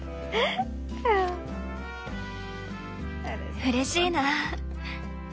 うれしいな。